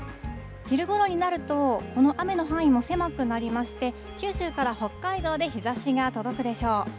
昼ごろになると、この雨の範囲も狭くなりまして、九州から北海道で日ざしが届くでしょう。